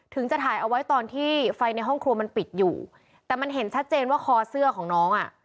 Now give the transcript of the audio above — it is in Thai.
ถึงจะถ่ายเอาไว้ตอนที่ไฟในห้องครัวมันปิดอยู่แต่มันเห็นชัดเจนว่าคอเสื้อของน้องอ่ะ